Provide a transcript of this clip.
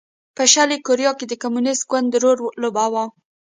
په شلي کوریا کې د کمونېست ګوند رول لوباوه.